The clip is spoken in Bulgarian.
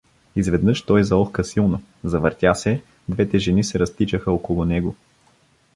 Изведнаж той заохка силно, завъртя се, двете жени се разтичаха около него.